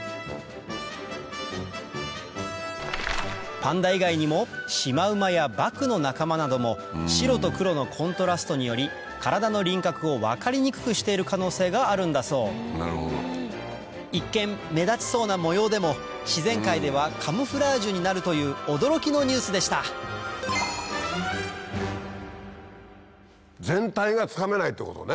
パンダ以外にもシマウマやバクの仲間なども白と黒のコントラストにより体の輪郭を分かりにくくしている可能性があるんだそう一見目立ちそうな模様でも自然界ではカムフラージュになるという驚きのニュースでした全体がつかめないってことね？